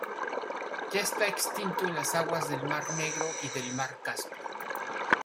Ya está extinto en las aguas del mar Negro y del mar Caspio.